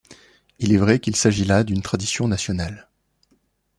Il est vrai qu'il s'agit là d'une tradition nationale.